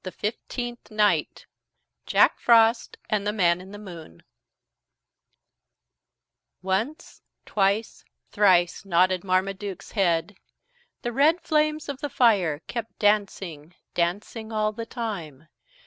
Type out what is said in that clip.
FIFTEENTH NIGHT JACK FROST AND THE MAN IN THE MOON Once, twice, thrice nodded Marmaduke's head. The red flames of the fire kept dancing, dancing all the time.